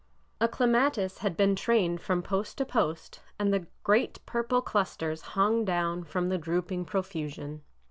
A clematis had been trained from post to post, and the great purple clusters hung down in drooping profusion.